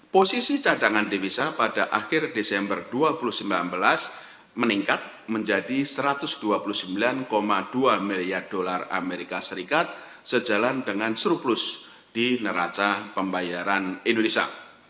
posisi cadangan devisa pada akhir desember dua ribu sembilan belas meningkat menjadi satu ratus dua puluh sembilan dua miliar dolar as sejalan dengan surplus di neraca pembayaran indonesia